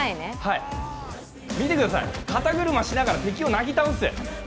見てください、肩車しながら敵をなぎ倒す。